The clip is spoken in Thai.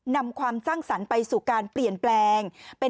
นำความสร้างสรรค์ไปสู่การเปลี่ยนแปลง